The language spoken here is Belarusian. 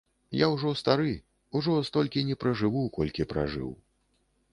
Я ўжо стары, ужо столькі не пражыву, колькі пражыў.